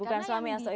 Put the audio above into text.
bukan suami atau istri